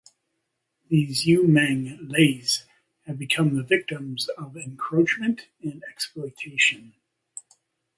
These Umang Lais have become the victims of the encroachment and exploitation.